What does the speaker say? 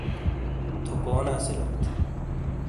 تھو کونے اسیلیت؟